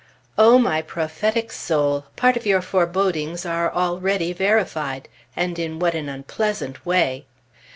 O my prophetic soul! part of your forebodings are already verified! And in what an unpleasant way!